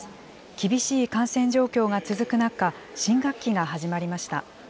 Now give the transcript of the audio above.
厳しい感染状況が続く中、新学期が始まりました。